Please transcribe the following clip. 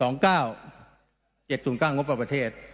๗๒๙งบประเทศ